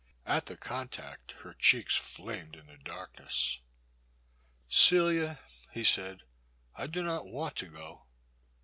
At the contact, her cheeks flamed in the darkness. Celia,'' he said, *' I do not want to go."